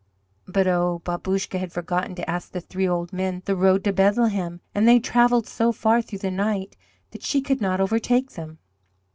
But, oh, Babouscka had forgotten to ask the three old men the road to Bethlehem, and they travelled so far through the night that she could not overtake them.